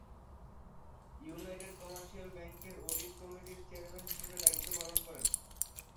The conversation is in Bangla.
ইউনাইটেড কমার্শিয়াল ব্যাংকের অডিট কমিটির চেয়ারম্যান হিসাবে দায়িত্ব পালন করেন।